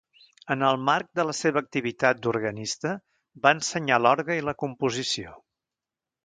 En el marc de la seva activitat d'organista, va ensenyar l'orgue i la composició.